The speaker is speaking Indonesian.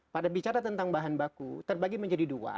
pada bicara tentang bahan baku terbagi menjadi dua